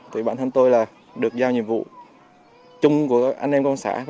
thì bản thân tôi là được giao nhiệm vụ chung của anh em công an xã